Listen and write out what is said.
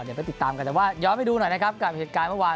เดี๋ยวไปติดตามกันแต่ว่าย้อนไปดูหน่อยนะครับกับเหตุการณ์เมื่อวาน